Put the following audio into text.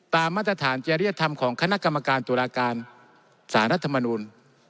มาตรฐานจริยธรรมของคณะกรรมการตุลาการสารรัฐมนูล